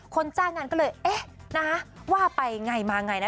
จ้างงานก็เลยเอ๊ะว่าไปไงมาไงนะ